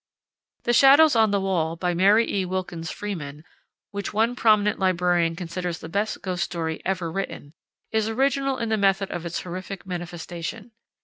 The Shadows on the Wall, by Mary E. Wilkins Freeman, which one prominent librarian considers the best ghost story ever written, is original in the method of its horrific manifestation.